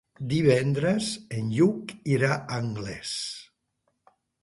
Divendres en Lluc irà a Anglès.